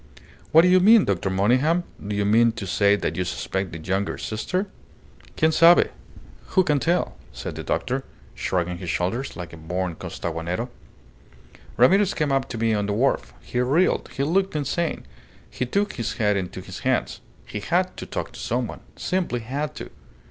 "What do you mean, Dr. Monygham? Do you mean to say that you suspect the younger sister?" "Quien sabe! Who can tell?" said the doctor, shrugging his shoulders like a born Costaguanero. "Ramirez came up to me on the wharf. He reeled he looked insane. He took his head into his hands. He had to talk to someone simply had to.